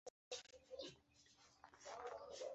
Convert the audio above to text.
索雷阿克人口变化图示